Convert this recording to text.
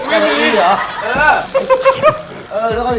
เออแล้วก็เดี๋ยวมันได้